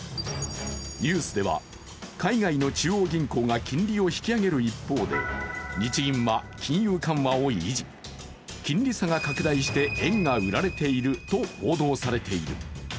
ニュースでは海外の中央銀行が金利を引き上げる一方で、日銀は金融緩和を維持、金利差が拡大して円が売られていると報道されている。